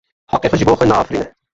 Xakê ji bo xwe naafirîne.